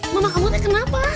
mama kamu teh kenapa